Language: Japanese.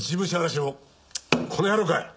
この野郎かい！